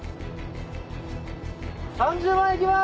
３０万いきます。